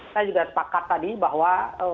saya juga sepakat tadi bahwa